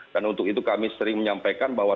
dan untuk itu kami sering menyampaikan bahwa